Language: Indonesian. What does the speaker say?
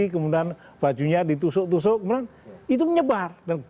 kemudian bajunya ditusuk tusuk kemudian itu menyebar